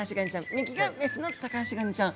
右がメスのタカアシガニちゃん。